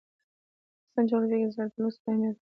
د افغانستان جغرافیه کې زردالو ستر اهمیت لري.